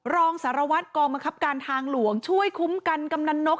รองสารวัตรกองบังคับการทางหลวงช่วยคุ้มกันกำนันนก